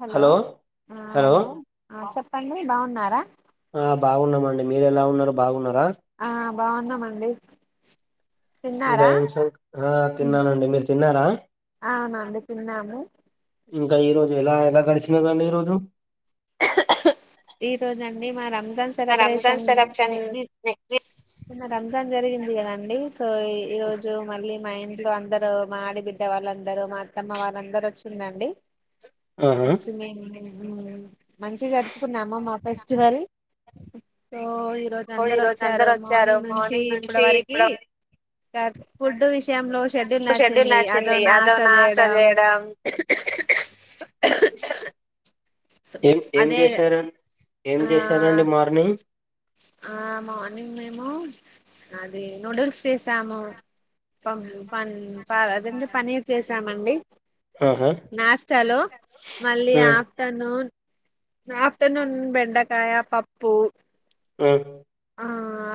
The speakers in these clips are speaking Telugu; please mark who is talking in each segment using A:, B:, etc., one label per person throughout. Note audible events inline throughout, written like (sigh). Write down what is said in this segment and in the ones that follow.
A: హలో ఆ హలో ఆ చెప్పండి బాగున్నారా
B: ఆ బాగున్నా మండి మీరు ఎలా ఉన్నారు బాగున్నారా
A: ఆ బాగున్నామండి
B: ఇంకా
A: తిన్నారా
B: ఏంటి సంగ్ ఆ తిన్నానండి మీరు తిన్నారా
A: అవునండి తిన్నాము
B: ఇంకా ఈ రోజు ఎలా ఎలా గడిచినదండి ఈరోజు
A: ఈ రోజు అండి మా రంజాన్ సెలబ్రేషన్ నీ న్న రంజాన్ జరిగింది కదండి సో ఈరోజు మళ్ళీ మా ఇంట్లో అందరు మా ఆడబిడ్డ వాళ్ళందరూ మా అత్తమ్మ వాళ్ళందరూ వచ్చిందండి
B: ఆహా
A: వచ్చి మంచిగా జరుపుకున్నాము మా ఫెస్టివల్ సో ఈ రోజు అందరు వచ్చారు మార్నింగ్ నుంచి ఇప్పుడు వరకి ఫుడ్ విషయంలో షెడ్యూల్ నచ్చింది అదో నాష్ట చేయడం సో
B: ఏం ఏం
A: అదే
B: చేశార ఏం
A: ఆ
B: చేశారండి మార్నింగ్
A: ఆ మార్నింగ్ మేము అది నూడిల్స్ చేసాము పం పన్ ప అదేంది పన్నీర్ చేసామండి
B: ఆహా
A: నాష్ట లో మళ్ళీ
B: ఉమ్
A: ఆఫ్టర్నూన్ ఆఫ్టర్నూన్ బెండకాయ పప్పు
B: ఆ
A: ఆ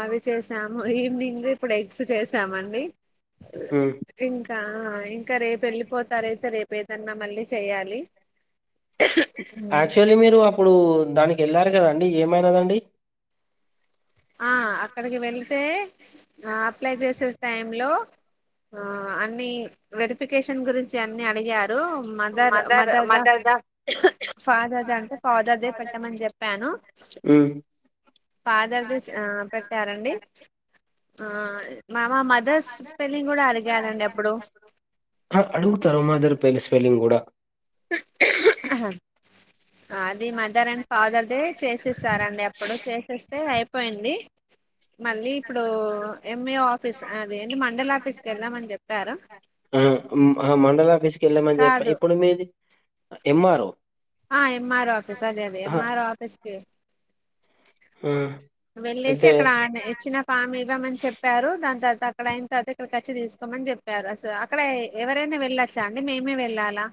A: అవి చేసాము ఈవినింగ్ ఇప్పుడు ఎగ్స్ చేసామండి
B: ఉమ్
A: ఇంకా ఇంకా రేపు వెళ్ళిపోతారయితే రేపు ఏదన్నా మళ్ళీ చేయాలి
B: యాక్చువల్లీ మీరు అప్పుడు దానికి వెళ్ళారు కదండి ఏమైనదండి
A: ఆ అక్కడికి వెళ్తే అప్లై చేసే టైమ్ లో ఆ అన్ని వెరిఫికేషన్ గురించి అన్ని అడిగా డు మదర్ మదర్ ద ఫాదర్ ద అంటే ఫాదర్దే పెట్టమని చెప్పాను
B: ఉమ్
A: ఫాదర్ దే ఆ పెట్టారండి ఆ
B: మా మదర్ స్పెల్లింగ్ కూడా అడిగారండి ఆ అడగుతారు మదర్ స్పెల్లింగ్ కూడా
A: అ అది మదర్ అండ్ ఫాదర్ దే చేసేసారండి అప్పుడు చేసేస్తే అయి పోయింది మళ్ళీ ఇప్పుడు ఎంఈఓ ఆఫీస్ అది ఏంది మండల ఆఫీస్కి వెళ్దామని చెప్పారా
B: కెల్లమని చెప్పా ఇప్పుడు మీది ఎంఆర్ఓ
A: ఆ ఎంఆర్ఓ ఆఫీస్ అదే అదే
B: ఆహా
A: ఎంఆర్ఓ ఆఫీస్కి
B: ఆ
A: వెళ్ళసి
B: అయితే
A: అక్కడ ఇచ్చిన ఫామ్ ఇవ్వమని చెప్పారు దాని తర్వాత అక్కడ అయిన తర్వాత ఇక్కడకి వచ్చి తీసుకోమని చెప్పారు అసలు అక్కడ ఎవరైనా వెళ్ళ అండి మేమే వెళ్ళాలా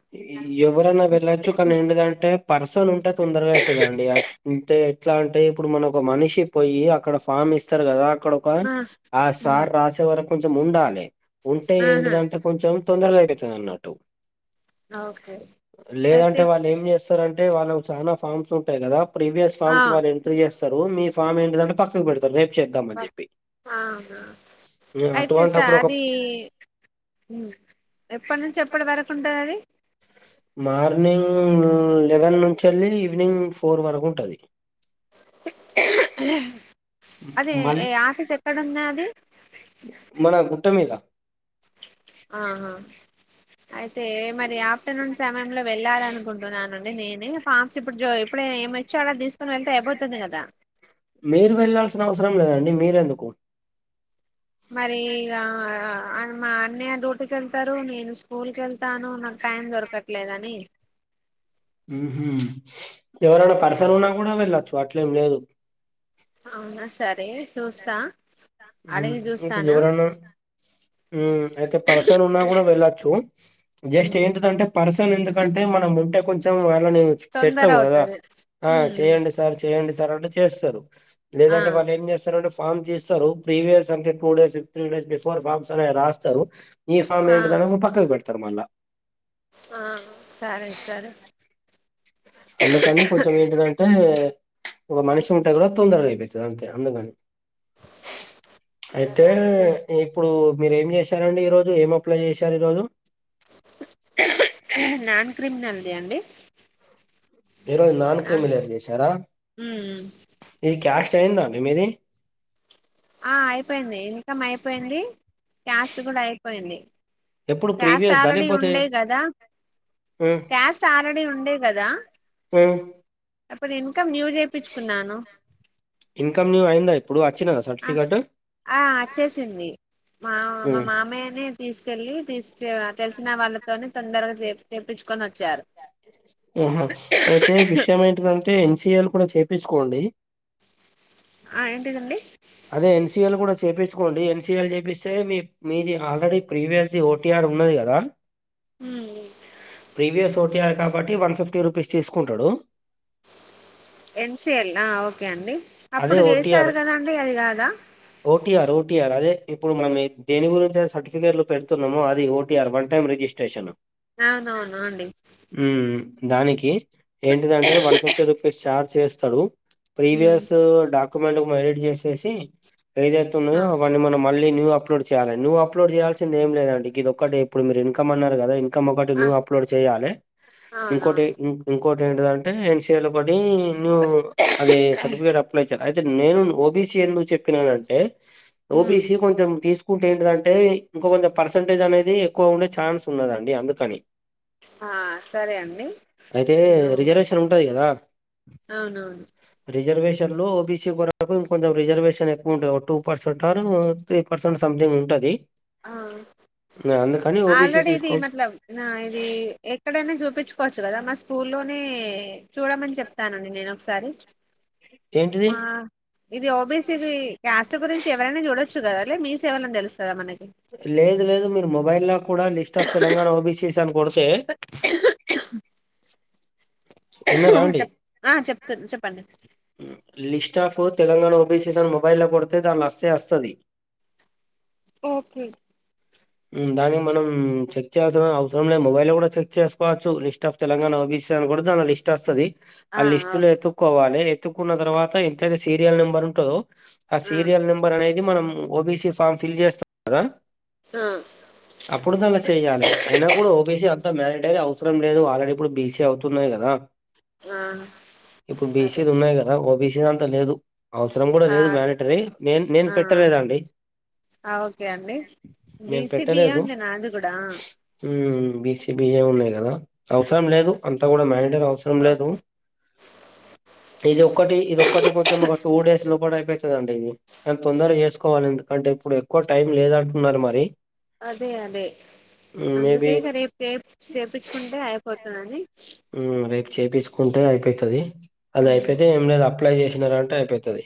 B: ఉన్నది అంటే పర్సన్ ఉంటే తొందరగా అయితదండి అం ఉంటే ఎట్లా అంటే ఇప్పుడు మనకు మనిషి పోయి అక్కడ ఫామ్ ఇస్తారు కదా ఇక్కడ ఒక
A: ఆ
B: ఆ
A: ఉమ్,
B: సార్ రాసే వరకు కొంచం ఉండాలి ఉంటే
A: ఆహా
B: ఏంటిదంటె కొంచెం తొందరగా అయిపోతుంది అన్నట్టు
A: ఓకే అయితే
B: లేదంటే వాళ్ళు ఏం చేస్ స్తరు అంటే వాళ్ళకి చాలా ఫార్మ్స్ ఉంటాయి కదా ప్రీవియస్
A: ఆ
B: ఫార్మ్స్ వాళ్ళు ఎంట్రీ చేస్ స్తరు మీ ఫామ్ ఏంటిదంతే పక్కకు పెడ్ చెద్దా మని చెప్పి
A: అవునా
B: మ్
A: అయితే సార్
B: అటువంటప్పుడు
A: అది ఎప్పటి నుంచి ఎప్పటి వరకు ఉంటుంది అది
B: మార్నింగ్ లెవెన్ నుంచి వెళ్లి ఈవినింగ్ ఫోర్ వరకు ఉంటది
A: అది
B: మళ్ళీ
A: ఈ ఆఫీస్ ఎక్కడ ఉన్నాది
B: మన గుట్ట మీద
A: ఆహా అయితే మరి ఆఫ్టర్నూన్ సమయంలో వెళ్ళాలి అనుకుంటున్నానండి నేనే ఫామ్స్ ఇప్పుడు జ అప్పుడే ఏమి వచ్చే అళ తీసుకుని వెళ్తే అయిపోతుంది కదా
B: మీరు వెళ్లాల్సిన అవసరం లేదండి మీరెందుకు
A: మరి ఇగ మా అన్నయ్య డ్యూటీకి వెళ్తారు నేను స్కూల్ కెళ్తాను నా కు టైం దొరకట్లేదని
B: ఉమ్ హు ఎవరైనా పర్సన్ ఉన్నా కూడా వెళ్ళొచ్చు అట్లేం లేదు
A: అవునా సరే చూస్తా
B: ఉమ్
A: అడిగి
B: అంతే
A: చూస్తాను
B: ఎవరన్నా ఉమ్ అయితే పర్సను ఉన్నా కూడా వెళ్ళచ్చు జస్ట్ ఏంటిదంటే పర్సన్ ఎందుకంటే మనం ముంటె కొంచెం అలా నే
A: తొందర
B: చెప్తాం కదా
A: అవుతది
B: ఆ
A: ఉమ్
B: చేయండి సార్ చేయండి సార్ అంటే చేస్తారు
A: ఆ
B: లేదంటే వాళ్ళు ఏం చేస్తారుంటే ఫామ్ చేస్తారు ప్రీవియస్ అంటే two days three days before forms అనే రాస్తారు ఈ ఫామ్
A: ఆ
B: ఏంటిదన పక్కకు పెట్టారు తరు మల్ల
A: ఆ సరే సరే
B: అందుకని కొంచెం ఏంటి దం టే ఒక మనిషి ఉంటే కూడా తొందరగా అయిపోతుంది అంతే అందుగాని
A: సరే
B: అయితే
A: అండి
B: ఇప్పుడు మీరేం చేశారండి ఈ రోజు ఏం అప్లై చేశారు ఈ రోజు
A: నాన్ క్రిమినల్ ది అండి
B: ఈరోజు నాన్ క్ర్రిమిలర్ చేశారా
A: ఉమ్
B: ఇది క్యాష్ కాస్ట్ అయ్యిందా అండి మీది
A: ఆ అయిపోయింది ఇన్కమ్ అయిపోయింది క్యాస్ట్ కూడా అయిపోయింది
B: ఎప్పుడు
A: క్యాస్ట్
B: ప్రీవియస్ దా
A: ఆల్రెడీ
B: లేకపోతే
A: ఉండే కదా
B: ఉమ్
A: క్యాస్ట్ ఆల్రెడీ ఉండే కదా అప్పుడు ఇన్కమ్ న్యూ చేపించుకున్నాను
B: ఇన్కమ్దు అయిందా ఇప్పుడు వచ్చినదా
A: ఆ
B: సర్టిఫికెట్
A: ఆ అచ్చేసింది మా మా
B: ఉమ్
A: మామయ్యనే తీసుకెళ్ళి తీ తెలిసిన వాళ్ళతోని తొందరగా చే చేపించుకొని వచ్చారు
B: ఆహా అయితే విషయం ఏంటిదంటే ఏం సి ఏలు కూడా చేపించుకోండి
A: ఆ ఏంటిదండి
B: చేప్పించుకోండి ఏం సి ఎల్ చేపిస్తే మీ మీది ఆల్రెడీ ప్రీవియస్ ది ఓటిఆర్ ఉన్నది కదా ప్రీవియస్ ఓటీయర్ కాబట్టి వన్ ఫిఫ్టీ రూపీస్ తీసుకుంటాడు
A: ఏం సి ఎల్ ఆ ఓకే అండి
B: అదే
A: అప్పుడు
B: ఓటిఆర్
A: చేసారు కదండి అది కాదా
B: ఓటిఆర్ ఓటిఆర్ అదే ఇప్పుడు మనం దేని గురించి సర్టిఫికేట్లు పెడుతున్నామో అది ఓటిఆర్ వన్ టైమ్ రిజిస్ట్రేషన్
A: అవునవునును
B: ఉమ్ దానికి ఏంటిదంటే వన్ ఫిఫ్టీ రూపీస్ చార్జ్ చేస్తాడు ప్రీవియస్ క్యుమెంట్ ఎడిట్ చేసేసి ఏదైతే
A: ఆ
B: ఉన్నాయో అ మన మ అప్లోడ్ చేయాలి నువ్వు అప్లోడ్ చేయాల్సింది ఏ లేదండి ఇది ఒకటి ఇప్పుడు మీరు ఇన్కమ్ అన్నారు కదా ఇటి
A: ఆ
B: న్ూ అప్లోడ్ చేయాలి ఇంకోటి
A: అవునవును
B: ఇంకోటి ఏంటంటే ఎన్ఏ లో అ నును అది సర్టిఫికేట్ అప్లై చేయాలి అయితే నేను ఓబిసి ఎందుకు చెప్పినాన అంటే బ స కొ తీసు స్ ఏంటింటే ఇంక కొంచెం పర్సెంటేజ్ అనేది ఎక్కువ ఉండే ఛాన్స్ ఉన్నదండి అందుకని
A: ఆ సరే అండి
B: అయితే
A: నేను
B: రిజర్వేషన్ ఉంటది కదా
A: అవునవును
B: రిజర్వేషన్ లో ఓబిస వరకుంెం రిజర్వేషన్ ఎక్కువ ఉంటంది two percent or three percent something ఉంటంది
A: ఆ
B: ఓబీసీ
A: ఆల్రెడీ ఇది
B: తీసుకో
A: మలం నా ఇది ఎక్కడైనా చూపి చూప్పించుకోవచ్చు కదా మా స్కూల్లోనే చూడమని చెప్తానండి నేను ఒకసారి
B: ఏంటిది
A: మా ఇది ఓబిసిీది కాస్ గురించి ఎవరైనా చూడొచ్చు కదా అ మీ సేవలని తెలుస్తుదా మనకి
B: లేదు లేదు మీరు మొబైల్ కూడా లిస్ట్ ఆఫ్ తెలంగాణ ఓబిసీస్ అని కొడితే ఎన్న రావడి
A: చెప్ ఆ చెప్తు చెప్పండి
B: స్ స్టాఫ్ తెలంగాణ ఓబీసీ అని మొబైల్లో కొడితే దానిలో అస్తే వస్తుంది
A: ఓకే
B: దానికి మనం చెక్ చేయాల్సిన అవసరం లే మొబైల్ కూడా చెక్ చేసుకోవచ్చు లిస్ట్ ఆఫ్ తెలంగాణ ఓ ఇ కూడా దా లిస్ట్ వస్తుది ఆ లిస్టు లో ఎతుక్కోవాలి ఎతుక్కున్న తర్వాత ఎంతైతే సీరియల్ నెంబర్ ఉంటందో ఆ సీరియల్ నెంబర్ అనేది మనం ఓబిసి ఫామ్ ఫిల్ చేస్తాం కదా
A: ఆ
B: అప్పుడు ద అలా చేయ్యాలి అయినా కూడా ఓేసి మారిటరీ అవసరం లేదు ఆల్రెడీ ఇప్పుడు బీసీ అవుతున్నాయి కదా
A: ఆ
B: ఇప్పుడు
A: అదే
B: బీసీది ఉన్నాయి కదా ఓబీసీది అంతా లేదు అవసరం కూడా
A: ఆ
B: లేదు మ్యానిటరీ నే నేను పెట్టలేదాండి
A: ఆ ఓకే అండి
B: నేను
A: బీసీ బిఏ
B: పెట్టలేదు
A: ఉంది నాది కూడా
B: బిస బి ఉన్నాయి కదా అవసరం లేదు అంతా కూడా మేనేజ అవసరం లేదు ఇది ఒక్కటి ఇదిొక్కటి కొంచెం ఒక టూ డేస్ లో కూడా అయి వండి ఇది కానీ తొందరగా చేసుకోవాలి ఎందుకంటే ఇప్పుడు ఎక్కువ టైం లేదంటున్నారు మరి
A: అదే అదే
B: మేబి
A: అందుకే ఇక రేపు చే చేయించుకుంటే అయిపోతుందని
B: రేపు చేపిసుకుంటే అయిపోతుది అది అయిపోయితే ఏం లేదు అ అప్లై చేసినార అంటే అయిపోతుంది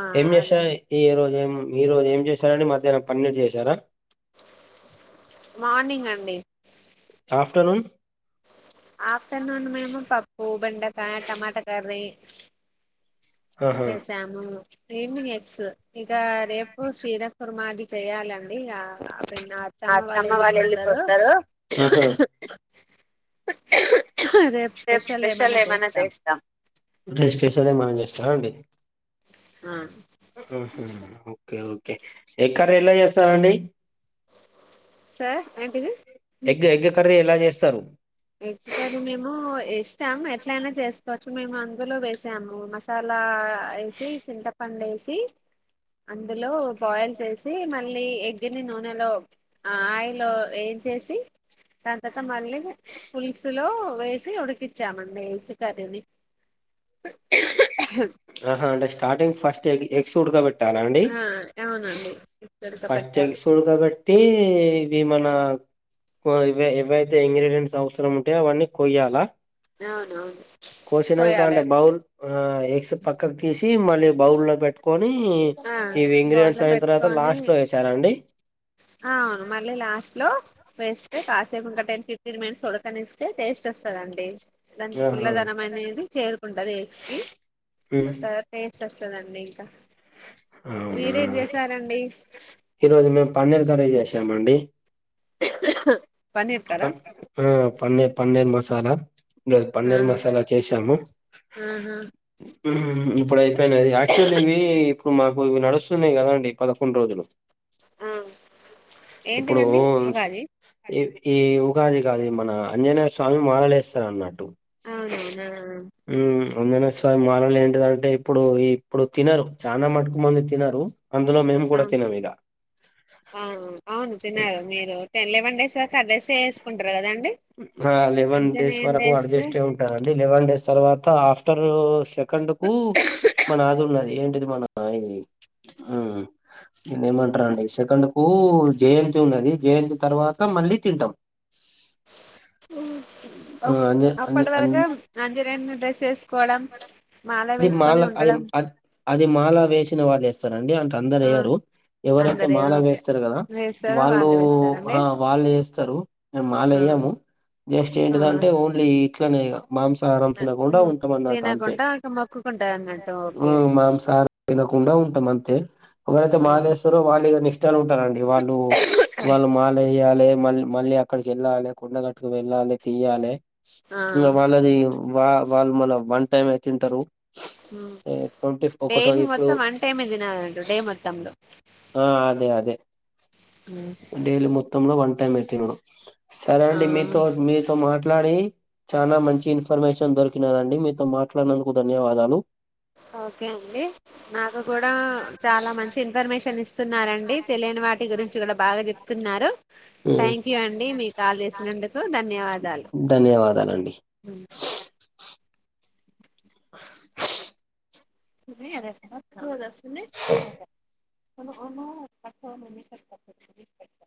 A: ఆ
B: ఎంఎస్
A: అదే
B: ఈ రోజు ఏం మీరు ఏం చేశారని మధనా పన్నం చేశారా
A: మార్నింగ్ అండి
B: ఆఫ్టర్నూన్
A: ఆఫ్టర్నూన్ మేము పప్పు బెండకాయ టమాటా కర్రీ
B: ఆహా
A: చేసాము ఈవినింగ్ ఎగస్ ఇక రేపు క్షీర కుర్మది చేయ్యాలని అ అత్తమ్మ వాళ్ళు వెళ్ళిపోతారు
B: ఆహా
A: రేపు
B: ే స్పెషల్
A: ఏమైనా
B: ఏమ
A: చేస్తాం
B: చేస్తా ండి
A: ఆ
B: ఓకేఓకే ఎక్కర ఎలా చేస్తారండి
A: సార్ ఏంటిది
B: ఎగ్ ఎగ్ కర్రీ ఎలా చేస్తారు
A: ఎకుకరి మేము ఇష్టాం ఎట్లయినా చేసుకోవచ్చు మేము అందులో వేసాము మసాలా వేసి చింత పడు వేసి అందులో బాయిల్ చేసి మళ్ళీ ఎగ్గిని నూనెలో ఆ ఆయిల్ చేసి దాని తర్వా మళ్ళీ పులుసులో వేసి ఉడికిచ్చామండి వల్సు కర్రీని
B: ఆహా అంటే స్టార్టింగ్ ఫస్ట్ ఎగ్ ఎగ్స్ ఉడకపెట్టి
A: ఆ అవునండి ఎగ్స్ ఉడక పెట్టాలి
B: తె ఇది మన కో ఇవే ఏవైతే ఇంగ్రిడియంట్స్ అవసరం ఉంటాయో అవన్నీ కొయ్యాల
A: అవునువును
B: కోసినాక అంటే బౌల్ ఆ ఎగ్స్ పక్కక్ తీసి మళ్ళీ బౌల్ లో పెట్ కొని
A: ఆ
B: ఇవి ఇంగ్రీడియంట్స్
A: బౌల్లో
B: అయిన తర్వాత లాస్ట్ లో వేశారండి
A: అ అవును మళ్ళీ లాస్ట్ లో వేస్తే కాసేపు ఇంకా టెన్ ఫిఫ్టీన్ మినిట్స్ ఉడక్కనిస్తే టేస్ట్ వస్తదండి దంచి
B: ఆహా
A: ఫుల్లదనం అనేది చేరుకుంటది ఎగ్స్ కి
B: ఉమ్
A: సూపర్ టేస్ట్ వస్ వస్తదండి ఇంకా
B: అవునా
A: మీరేం చేస్తారండి
B: ఈరోజు మేము పన్నీర్ కర్రీ చేసామండి
A: పన్నీర్ కర్ర
B: ప ఆ పన్నీర్ పన్నీర్ మసాలా ఈరోజు
A: ఆ
B: పన్నీర్ మసాలా చేసాము
A: ఆహా
B: ఉమ్ ఇప్పుడు అయిపోయినది యాక్చువల్ ఇవి ఇప్పుడు మాక్ మావి నడుస్తున్నాయి కదండి పదకొండు రోజులు
A: ఆ
B: ఇప్పుడు
A: ఏంటిదండి ఉగాది
B: ఈ ఈ ఉగాది కాది మన ఆంజనేయ స్వామి మాలలేస్తారు అన్నట్టు
A: అవునవునా
B: ఉమ్ ఆంజనేయ స్వామి మాలలు ఏంటిది అంటే ఇప్పుడు ఇప్పుడు తినరు చానా మట్టుకు మందు తినరు అందులో మేము
A: ఆ
B: కూడా తినం ఇగా
A: ఆ అవును తిన్నారు కదా మీరు తినలేమండి సో కర్డ్ రైస్ వేసుకుంటారు కదండి
B: హా లెవెన్
A: అంజనే
B: డేస్ వరకు
A: డ్రెస్
B: అడ్జస్ట్ అయి ఉంటారండి లెవెన్ డేస్ తర్వాత ఆఫ్టరు సే కండ్ కు మన ఆది ఉన్నది ఏంటిది మన ఇది ఉమ్ నేను ఏమంటారండి సెకండ్ కు జయంతి ఉన్నది జయంతి తర్వాత మళ్ళీ తింటాం
A: ఉ
B: ఆ
A: అప్
B: అంజ అంజ
A: అప్పటి వరకు
B: అంజ్
A: అంజనేని డ్రెస్స్ కోవడం మాల
B: అది మాల
A: వేసుకొని
B: అది
A: ఉండడం
B: అది అది మాలా వేసిన వాళ్ళు వేస్తారండి అంత అందరు
A: ఆ
B: వయ్యారు ఎవరైతే
A: అందరు
B: మాల
A: ఓకే
B: వేస్తారు కదా
A: వేస్తారో
B: వాళ్ళు
A: వేస్తారండి
B: హా వాళ్లేస్తరు మాల
A: ఆ
B: ఎ ఎయ్యము జస్ట్
A: ఆ
B: ఏంటిదంటే ఓన్లీ ఇట్లనే ఇగా మాంసాహారం తినకుండా ఉంటాం అన్నట్ తే
A: తినకుండా ఇక మొక్కుకుంటారు అన్నట్టు ఓకే
B: ఉమ్ మాంసాహారం తినకుండా ఉంటాం అంతే ఒకరైతే
A: ఆ
B: మా వదిలేస్తారో వాళ్ళు ఇగా నిష్టలో ఉంటారండి వాళ్ళు వాళ్ళు మాలయ్యాలే మల్ మళ్ళీ అక్కడికి వెళ్లాలి కుండగట్టుకు వెళ్ళాలి తీయాలి
A: ఆ
B: ఉ వాళ్ళది వా వాళ్ళు మల్ల వన్ టైమే తింటరు
A: ఉ
B: ఏ ట్వంటీ ఒకటో
A: డైలీ
B: ఇప్పుడు
A: మొత్తం వన్ టైమే తినాలంట డే మొత్తంలో
B: ఆ అదే అదే
A: ఉ
B: డైలీ మొత్తంలో వన్ టైమ్ తిను సరే అండి
A: ఆ
B: మీతో మీతో మాట్లాడి చాలా మంచి ఇన్ఫర్మేషన్ దొరికినదండి మీతో మాట్లాడినందుకు ధన్యవాదాలు
A: ఓకే అండి నాకు కూడా చాలా మంచి ఇన్ఫర్మేషన్ ఇస్ స్తున్నారండి తెలియని వాటి గురించి కూడా బాగా చెప్తున్నారు థ్యాంక్ యూ అండి మీ కాల్ చేసినందుకు ధన్యవాదాలు
B: ధన్యవాదాలండి
A: ఉ సూపి ఏదేసుకుంటావ్ స్కూల్ డ్రెస్ పోను పోను (unintelligible)